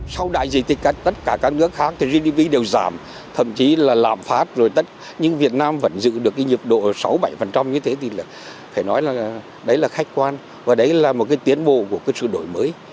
sau đại dịch thì tất cả các nước khác thì gdp đều giảm thậm chí là lạm phát rồi tất nhưng việt nam vẫn giữ được cái nhiệm độ sáu bảy như thế thì là phải nói là đấy là khách quan và đấy là một cái tiến bộ của cái sự đổi mới